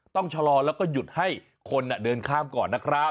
ต้องชะลอแล้วก็หยุดให้คนเดินข้ามก่อนนะครับ